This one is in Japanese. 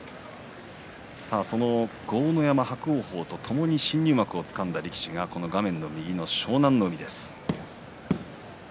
豪ノ山、伯桜鵬とともに新入幕をつかんだ力士が湘南乃海です。